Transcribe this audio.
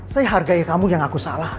saya hargai kamu yang aku salah